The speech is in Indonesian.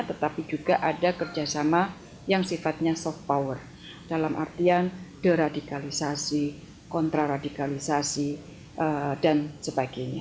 tetapi juga ada kerjasama yang sifatnya soft power dalam artian deradikalisasi kontraradikalisasi dan sebagainya